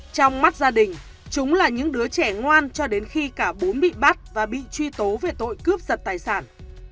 trong mắt gia đình chúng là những đứa trẻ ngoan cho đến khi cả bốn bị bắt và bị truy tố về tội cướp giật tài sản